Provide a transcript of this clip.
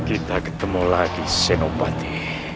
kita ketemu lagi senopati